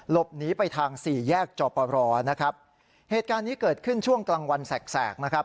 หลบหนีไปทางสี่แยกจอปรนะครับเหตุการณ์นี้เกิดขึ้นช่วงกลางวันแสกแสกนะครับ